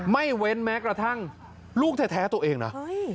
ไม่เว้นแม้กระทั่งลูกแท้ตัวเองนะ